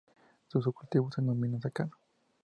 Sus cultivos se denominan secano.